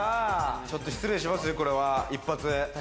ちょっと失礼しますよ、一発。